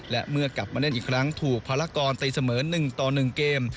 และเมื่อกลับมาเล่นอีกครั้งถูกภารกรตีเสมอ๑ต่อ๑เกม